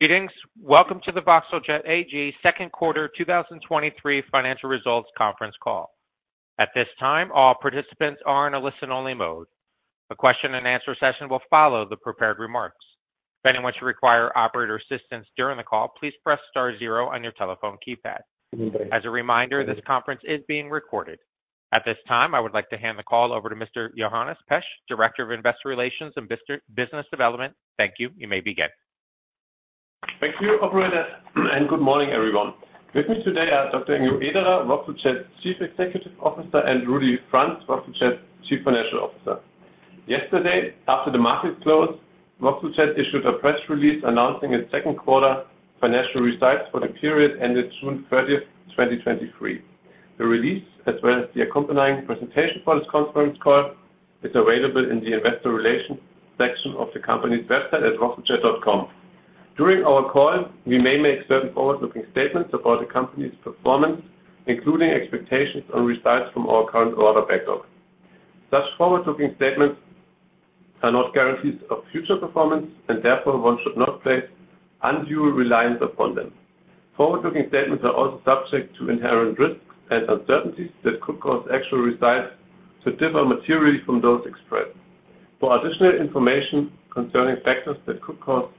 Greetings. Welcome to the Voxeljet AG second quarter 2023 financial results conference call. At this time, all participants are in a listen-only mode. A question and answer session will follow the prepared remarks. If anyone should require operator assistance during the call, please press star 0 on your telephone keypad. As a reminder, this conference is being recorded. At this time, I would like to hand the call over to Mr. Johannes Pesch, Director of Investor Relations and Business Development. Thank you. You may begin. Thank you, operator, and good morning, everyone. With me today are Dr. Ingo Ederer, voxeljet's Chief Executive Officer, and Rudy Franz, voxeljet's Chief Financial Officer. Yesterday, after the market closed, voxeljet issued a press release announcing its second quarter financial results for the period ended June 30, 2023. The release, as well as the accompanying presentation for this conference call, is available in the Investor Relations section of the company's website at voxeljet.com. During our call, we may make certain forward-looking statements about the company's performance, including expectations on results from our current order backlog. Such forward-looking statements are not guarantees of future performance, and therefore, one should not place undue reliance upon them. Forward-looking statements are also subject to inherent risks and uncertainties that could cause actual results to differ materially from those expressed. For additional information concerning factors that could cause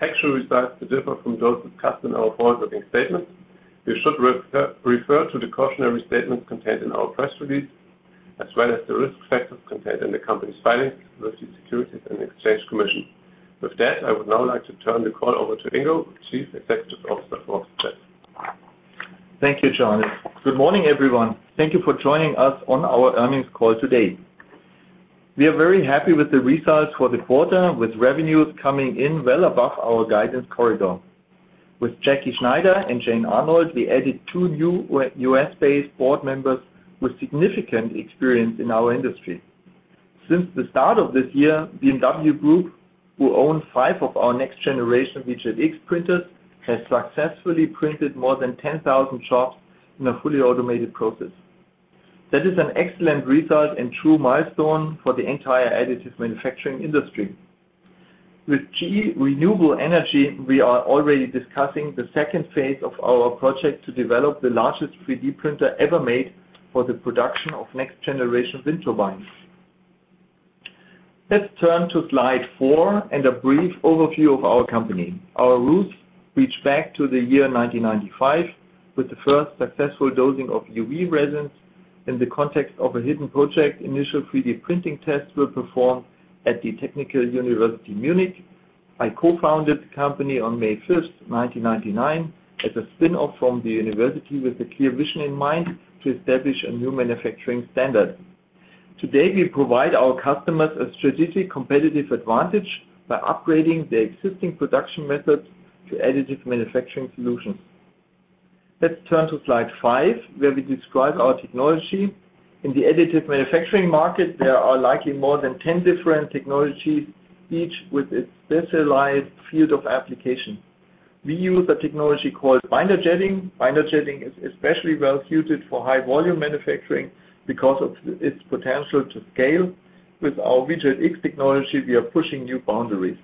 actual results to differ from those discussed in our forward-looking statements, you should refer to the cautionary statements contained in our press release, as well as the risk factors contained in the company's filings with the Securities and Exchange Commission. With that, I would now like to turn the call over to Ingo, Chief Executive Officer for voxeljet. Thank you, Johannes. Good morning, everyone. Thank you for joining us on our earnings call today. We are very happy with the results for the quarter, with revenues coming in well above our guidance corridor. With Jackie Schneider and Jane Arnold, we added two new US-based board members with significant experience in our industry. Since the start of this year, BMW Group, who own five of our next generation VJET X printers, has successfully printed more than 10,000 shops in a fully automated process. That is an excellent result and true milestone for the entire additive manufacturing industry. With GE Renewable Energy, we are already discussing the second phase of our project to develop the largest 3D printer ever made for the production of next-generation wind turbines. Let's turn to slide four and a brief overview of our company. Our roots reach back to the year 1995, with the first successful dosing of UV resins. In the context of a hidden project, initial 3D printing tests were performed at the Technical University of Munich. I co-founded the company on May 5, 1999, as a spin-off from the university with a clear vision in mind to establish a new manufacturing standard. Today, we provide our customers a strategic competitive advantage by upgrading their existing production methods to additive manufacturing solutions. Let's turn to slide five, where we describe our technology. In the additive manufacturing market, there are likely more than 10 different technologies, each with its specialized field of application. We use a technology called binder jetting. Binder jetting is especially well suited for high-volume manufacturing because of its potential to scale. With our VJET X technology, we are pushing new boundaries.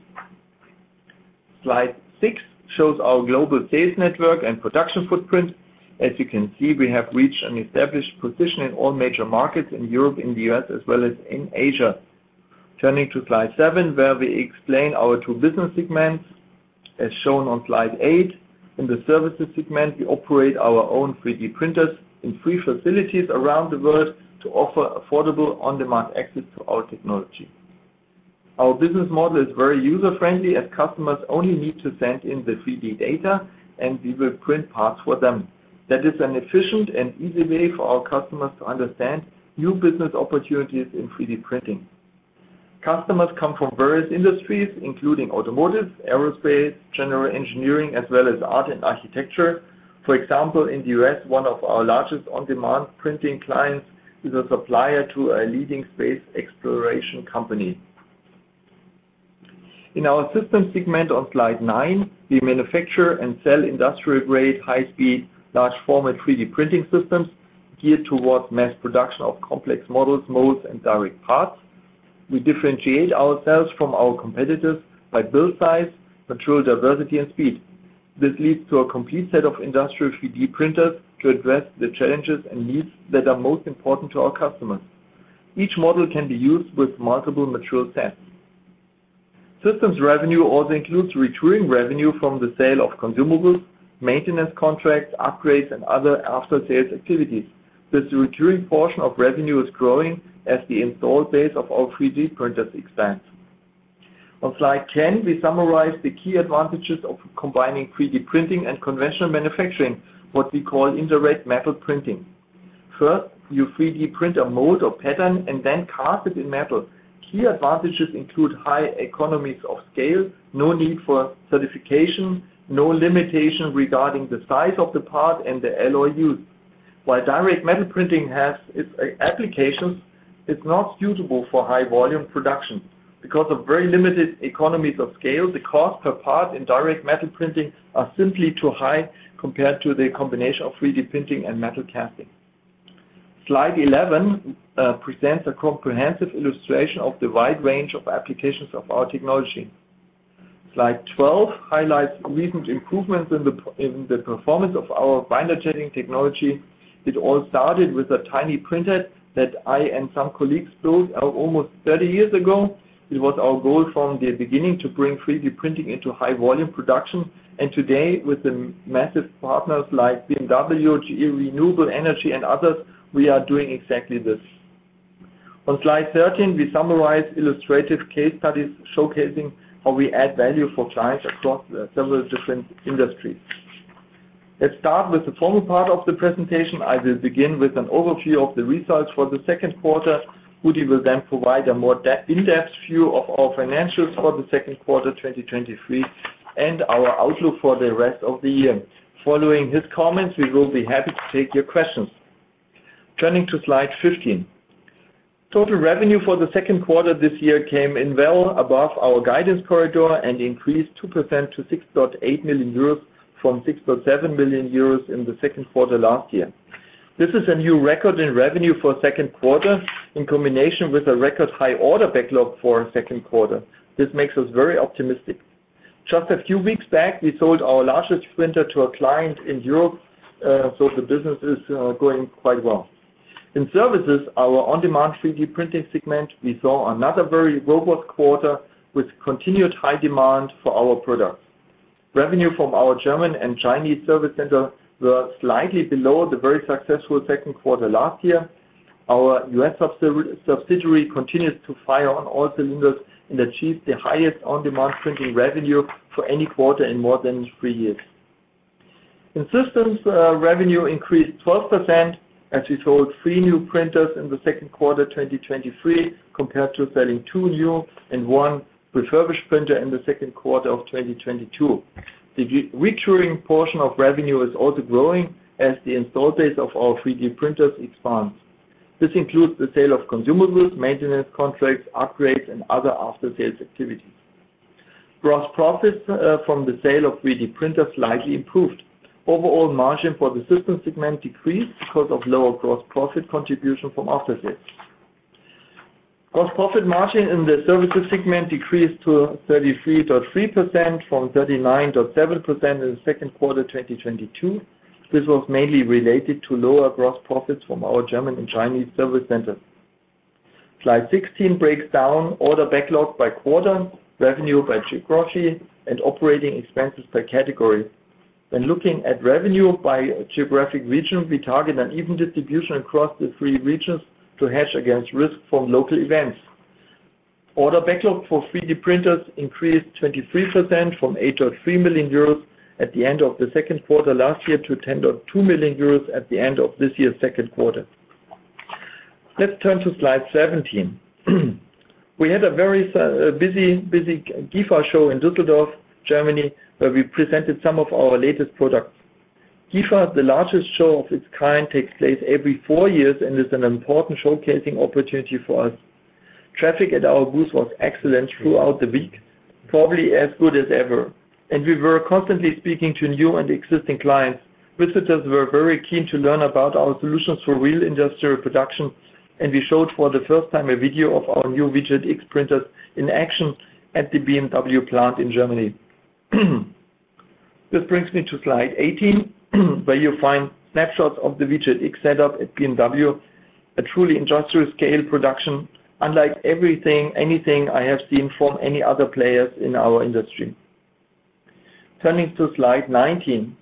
Slide six shows our global sales network and production footprint. As you can see, we have reached an established position in all major markets in Europe, in the US, as well as in Asia. Turning to Slide seven, where we explain our two business segments, as shown on Slide eight. In the services segment, we operate our own 3D printers in three facilities around the world to offer affordable, on-demand access to our technology. Our business model is very user-friendly, as customers only need to send in the 3D data, and we will print parts for them. That is an efficient and easy way for our customers to understand new business opportunities in 3D printing. Customers come from various industries, including automotive, aerospace, general engineering, as well as art and architecture. For example, in the US, one of our largest on-demand printing clients is a supplier to a leading space exploration company. In our system segment on slide nine, we manufacture and sell industrial-grade, high-speed, large-format 3D printing systems geared towards mass production of complex models, molds, and direct parts. We differentiate ourselves from our competitors by build size, material diversity, and speed. This leads to a complete set of industrial 3D printers to address the challenges and needs that are most important to our customers. Each model can be used with multiple material sets. Systems revenue also includes recurring revenue from the sale of consumables, maintenance contracts, upgrades, and other after-sales activities. This recurring portion of revenue is growing as the install base of our 3D printers expands. On slide 10, we summarize the key advantages of combining 3D printing and conventional manufacturing, what we call indirect metal printing. First, you 3D print a mold or pattern and then cast it in metal. Key advantages include high economies of scale, no need for certification, no limitation regarding the size of the part, and the alloy used. While direct metal printing has its applications, it's not suitable for high-volume production. Because of very limited economies of scale, the cost per part in direct metal printing are simply too high compared to the combination of 3D printing and metal casting. Slide 11 presents a comprehensive illustration of the wide range of applications of our technology. Slide 12 highlights recent improvements in the performance of our binder jetting technology. It all started with a tiny printer that I and some colleagues built, almost 30 years ago. Today, with the massive partners like BMW, GE Renewable Energy, and others, we are doing exactly this. On slide 13, we summarize illustrative case studies showcasing how we add value for clients across several different industries. Let's start with the formal part of the presentation. I will begin with an overview of the results for the second quarter. Rudy will then provide a more in-depth view of our financials for the second quarter, 2023, and our outlook for the rest of the year. Following his comments, we will be happy to take your questions. Turning to slide 15. Total revenue for the second quarter this year came in well above our guidance corridor and increased 2% to 6.8 million euros, from 6.7 million euros in the second quarter last year. This is a new record in revenue for second quarter, in combination with a record high order backlog for second quarter. This makes us very optimistic. Just a few weeks back, we sold our largest printer to a client in Europe, so the business is going quite well. In services, our on-demand 3D printing segment, we saw another very robust quarter with continued high demand for our products. Revenue from our German and Chinese service centers were slightly below the very successful second quarter last year. Our US subsidiary continues to fire on all cylinders and achieve the highest on-demand printing revenue for any quarter in more than three years. In systems, revenue increased 12%, as we sold three new printers in the 2Q 2023, compared to selling two new and one refurbished printer in the 2Q 2022. The recurring portion of revenue is also growing as the installed base of our 3D printers expands. This includes the sale of consumables, maintenance contracts, upgrades, and other after-sales activities. Gross profits from the sale of 3D printers slightly improved. Overall margin for the system segment decreased because of lower gross profit contribution from after-sales. Gross profit margin in the services segment decreased to 33.3% from 39.7% in the 2Q 2022. This was mainly related to lower gross profits from our German and Chinese service centers. Slide 16 breaks down order backlog by quarter, revenue by geography, and operating expenses by category. When looking at revenue by geographic region, we target an even distribution across the three regions to hedge against risk from local events. Order backlog for 3D printers increased 23% from 8.3 million euros at the end of the second quarter last year, to 10.2 million euros at the end of this year's second quarter. Let's turn to slide 17. We had a very busy, busy GIFA show in Düsseldorf, Germany, where we presented some of our latest products. GIFA, the largest show of its kind, takes place every four years and is an important showcasing opportunity for us. Traffic at our booth was excellent throughout the week, probably as good as ever, and we were constantly speaking to new and existing clients. Visitors were very keen to learn about our solutions for real industrial production, we showed, for the first time, a video of our new VJET X printers in action at the BMW plant in Germany. This brings me to slide 18, where you'll find snapshots of the VJET X setup at BMW, a truly industrial scale production, unlike everything, anything I have seen from any other players in our industry. Turning to slide 19.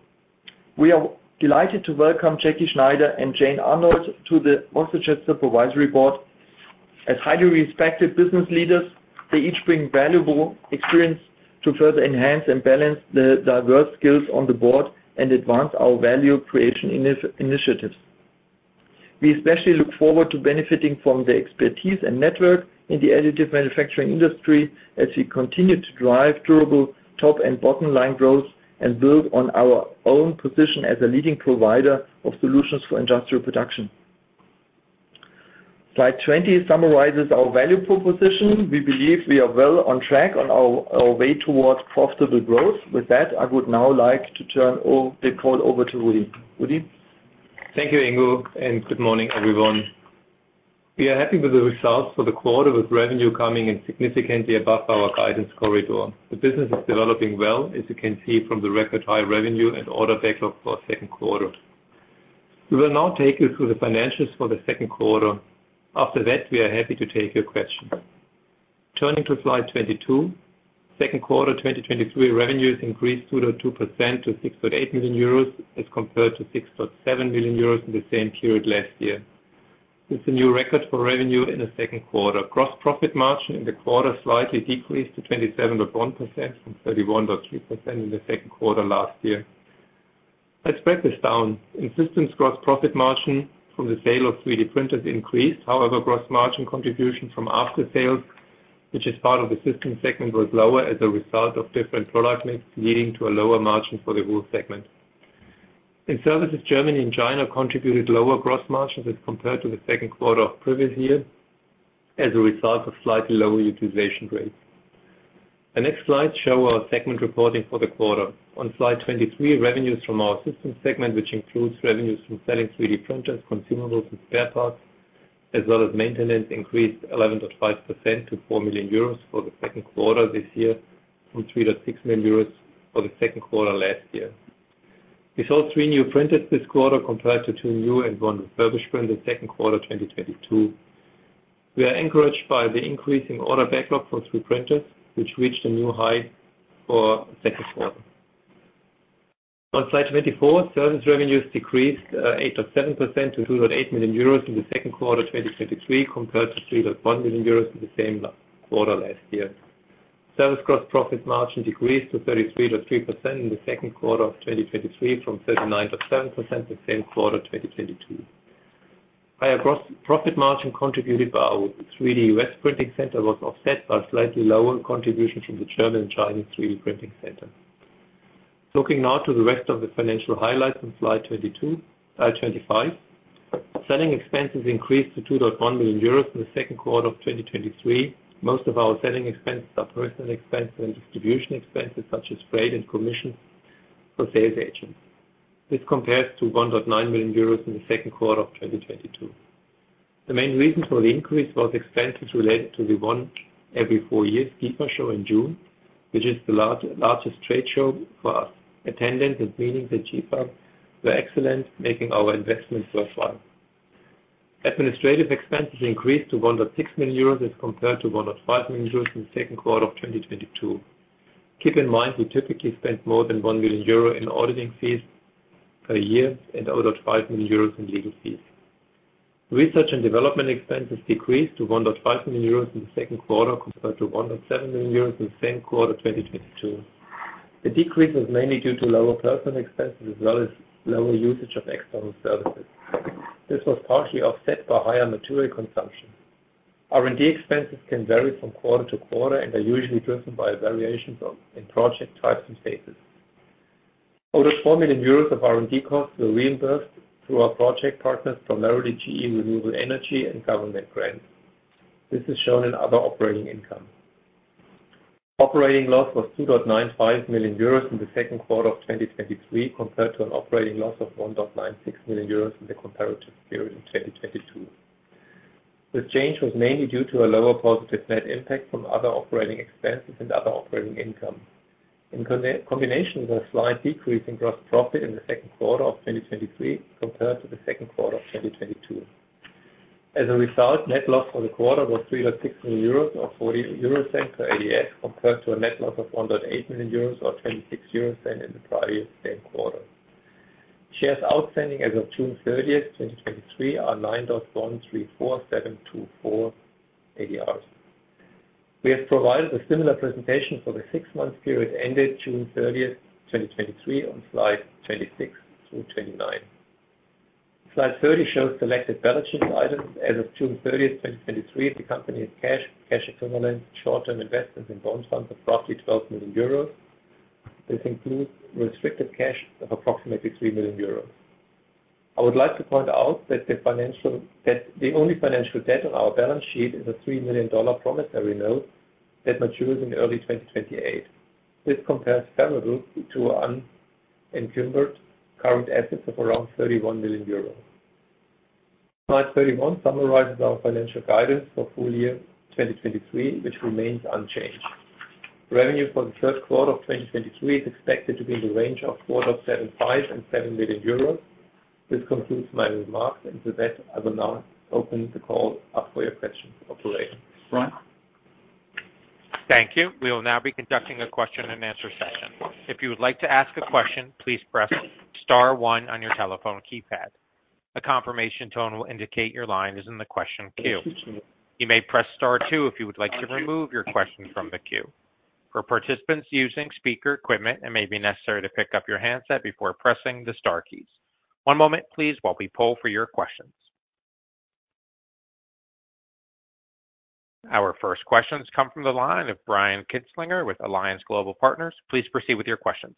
We are delighted to welcome Jackie Schneider and Jane Arnold to the voxeljet Supervisory Board. As highly respected business leaders, they each bring valuable experience to further enhance and balance the diverse skills on the board and advance our value creation initiatives. We especially look forward to benefiting from their expertise and network in the additive manufacturing industry, as we continue to drive durable top and bottom line growth, and build on our own position as a leading provider of solutions for industrial production. Slide 20 summarizes our value proposition. We believe we are well on track on our way towards profitable growth. With that, I would now like to turn the call over to Rudy. Rudy? Thank you, Ingo, good morning, everyone. We are happy with the results for the quarter, with revenue coming in significantly above our guidance corridor. The business is developing well, as you can see from the record high revenue and order backlog for second quarter. We will now take you through the financials for the second quarter. After that, we are happy to take your questions. Turning to slide 22, second quarter 2023 revenues increased 2.2% to 6.8 million euros, as compared to 6.7 million euros in the same period last year. It's a new record for revenue in the second quarter. Gross profit margin in the quarter slightly decreased to 27.1% from 31.2% in the second quarter last year. Let's break this down. In systems, gross profit margin from the sale of 3D printers increased. However, gross margin contribution from aftersales, which is part of the system segment, was lower as a result of different product mix, leading to a lower margin for the whole segment. In services, Germany and China contributed lower gross margins as compared to the second quarter of previous year, as a result of slightly lower utilization rates. The next slide show our segment reporting for the quarter. On slide 23, revenues from our system segment, which includes revenues from selling 3D printers, consumables, and spare parts, as well as maintenance, increased 11.5% to 4 million euros for the second quarter this year, from 3.6 million euros for the second quarter last year. We sold three new printers this quarter, compared to two new and one refurbished printer in the second quarter 2022. We are encouraged by the increase in order backlog for 3D printers, which reached a new high for second quarter. On slide 24, service revenues decreased 8.7% to 2.8 million euros in the second quarter, 2023, compared to 3.1 million euros in the same quarter last year. Service gross profit margin decreased to 33.3% in the second quarter of 2023, from 39.7% the same quarter, 2022. Higher gross profit margin contributed by our 3D US printing center was offset by slightly lower contributions in the German and Chinese 3D printing center. Looking now to the rest of the financial highlights on slide 22, 25. Selling expenses increased to 2.1 million euros in the second quarter of 2023. Most of our selling expenses are personal expenses and distribution expenses, such as freight and commission for sales agents. This compares to 1.9 million euros in the second quarter of 2022. The main reason for the increase was expenses related to the one every four years GIFA show in June, which is the largest trade show for us. Attendance and meetings at GIFA were excellent, making our investment worthwhile. Administrative expenses increased to 1.6 million euros as compared to 1.5 million euros in the second quarter of 2022. Keep in mind, we typically spend more than 1 million euro in auditing fees per year and 1.5 million euros in legal fees. Research and development expenses decreased to 1.5 million euros in the second quarter, compared to 1.7 million euros in the same quarter, 2022. The decrease was mainly due to lower personal expenses, as well as lower usage of external services. This was partially offset by higher material consumption. R&D expenses can vary from quarter to quarter and are usually driven by variations of, in project types and phases. 1.4 million euros of R&D costs were reimbursed through our project partners, primarily GE Renewable Energy and government grants. This is shown in other operating income. Operating loss was 2.95 million euros in the second quarter of 2023, compared to an operating loss of 1.96 million euros in the comparative period in 2022. This change was mainly due to a lower positive net impact from other operating expenses and other operating income. In combination with a slight decrease in gross profit in the second quarter of 2023 compared to the second quarter of 2022. As a result, net loss for the quarter was 3.6 million euros, or 0.40 per ADS, compared to a net loss of 1.8 million euros, or 0.26 in the prior same quarter. Shares outstanding as of June 30th, 2023, are 9,134,724 ADS. We have provided a similar presentation for the six-month period ended June 30th, 2023, on slide 26-29. Slide 30 shows selected balance sheet items. As of June 30th, 2023, the company's cash, cash equivalents, short-term investments in bond funds of roughly 12 million euros. This includes restricted cash of approximately 3 million euros. I would like to point out that the only financial debt on our balance sheet is a $3 million promissory note that matures in early 2028. This compares favorably to unencumbered current assets of around 31 million euros. Slide 31 summarizes our financial guidance for full year 2023, which remains unchanged. Revenue for the third quarter of 2023 is expected to be in the range of 4.75 million and 7 million euros. This concludes my remarks, and with that, I will now open the call up for your questions. Operator? Thank you. We will now be conducting a question and answer session. If you would like to ask a question, please press star one on your telephone keypad. A confirmation tone will indicate your line is in the question queue. You may press star two if you would like to remove your question from the queue. For participants using speaker equipment, it may be necessary to pick up your handset before pressing the star keys. One moment, please, while we poll for your questions. Our first questions come from the line of Brian Kinstlinger with Alliance Global Partners. Please proceed with your questions.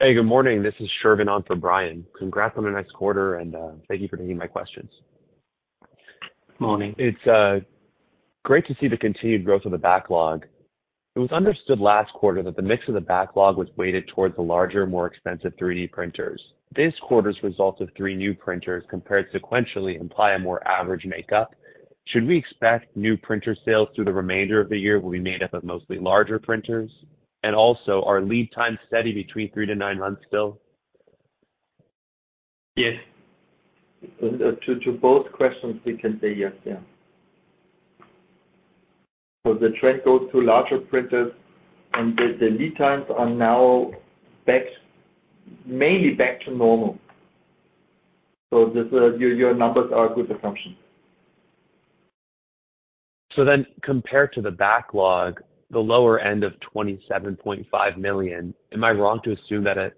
Hey, good morning. This is Shervin on for Brian. Congrats on a nice quarter, and, thank you for taking my questions. Morning. It's great to see the continued growth of the backlog. It was understood last quarter that the mix of the backlog was weighted towards the larger, more expensive 3D printers. This quarter's results of three new printers, compared sequentially, imply a more average makeup. Should we expect new printer sales through the remainder of the year will be made up of mostly larger printers? Also, are lead times steady between three to nine months still? Yes. To, to both questions, we can say yes. Yeah. The trend goes to larger printers, and the, the lead times are now back, mainly back to normal. This, your, your numbers are a good assumption. Compared to the backlog, the lower end of 27.5 million, am I wrong to assume that it,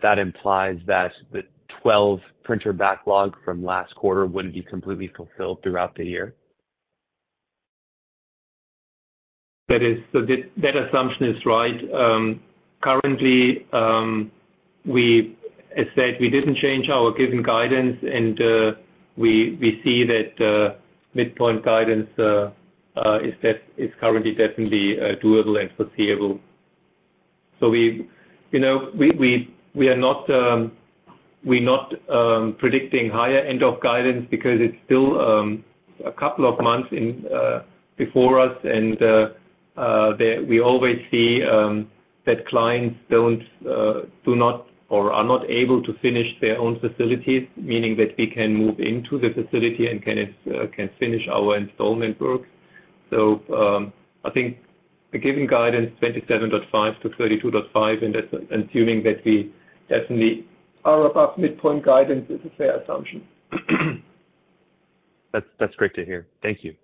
that implies that the 12 printer backlog from last quarter wouldn't be completely fulfilled throughout the year? That is, that assumption is right. Currently, as said, we didn't change our given guidance, and we see that midpoint guidance is currently definitely doable and foreseeable. We, you know, we, we, we are not, we're not predicting higher end of guidance because it's still a couple of months in before us, and we always see that clients don't do not or are not able to finish their own facilities, meaning that we can move into the facility and can finish our installment work. I think the given guidance, 27.5-32.5, and that's assuming that we definitely are above midpoint guidance is a fair assumption. That's, that's great to hear. Thank you.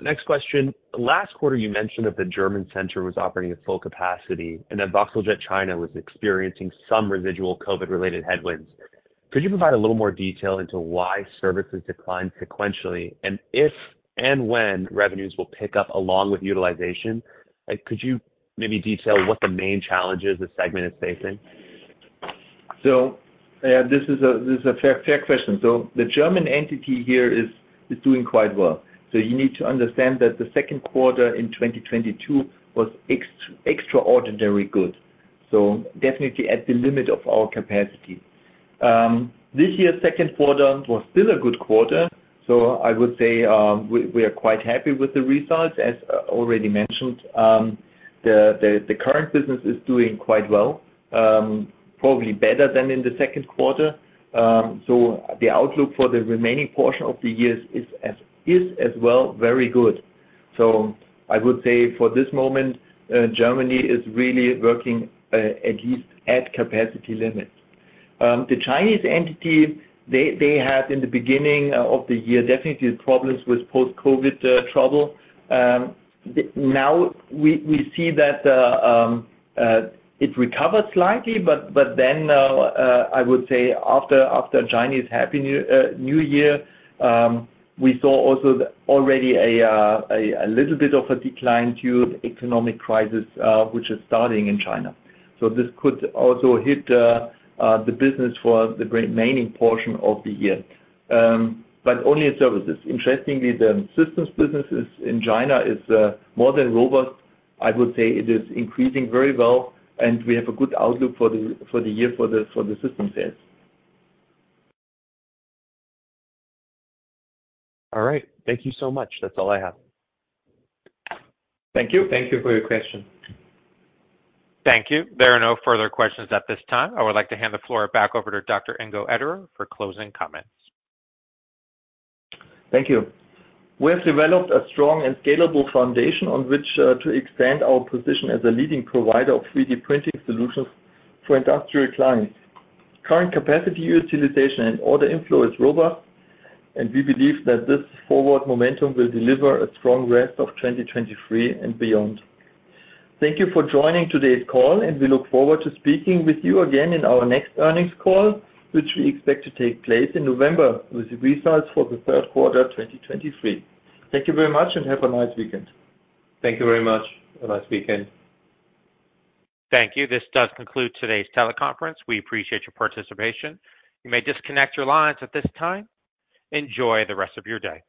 Next question: Last quarter, you mentioned that the German center was operating at full capacity and that voxeljet China was experiencing some residual COVID-related headwinds. Could you provide a little more detail into why services declined sequentially, and if and when revenues will pick up along with utilization? Could you maybe detail what the main challenges the segment is facing? This is a, this is a fair, fair question. The German entity here is, is doing quite well. You need to understand that the second quarter in 2022 was extraordinary good, so definitely at the limit of our capacity. This year, second quarter was still a good quarter, so I would say, we, we are quite happy with the results. As already mentioned, the, the, the current business is doing quite well, probably better than in the second quarter. The outlook for the remaining portion of the years is as, is as well, very good. I would say for this moment, Germany is really working, at least at capacity limits. The Chinese entity, they, they had in the beginning of the year, definitely problems with post-COVID trouble. The-- now we, we see that it recovered slightly, then I would say after Chinese Happy New Year, New Year, we saw also the already a little bit of a decline due to economic crisis, which is starting in China. This could also hit the business for the remaining portion of the year, but only in services. Interestingly, the systems businesses in China is more than robust. I would say it is increasing very well, and we have a good outlook for the year, for the system sales. All right. Thank you so much. That's all I have. Thank you. Thank you for your question. Thank you. There are no further questions at this time. I would like to hand the floor back over to Dr. Ingo Ederer for closing comments. Thank you. We have developed a strong and scalable foundation on which to expand our position as a leading provider of 3D printing solutions for industrial clients. Current capacity, utilization, and order inflow is robust, and we believe that this forward momentum will deliver a strong rest of 2023 and beyond. Thank you for joining today's call, and we look forward to speaking with you again in our next earnings call, which we expect to take place in November, with the results for the third quarter, 2023. Thank you very much and have a nice weekend. Thank you very much. Have a nice weekend. Thank you. This does conclude today's teleconference. We appreciate your participation. You may disconnect your lines at this time. Enjoy the rest of your day.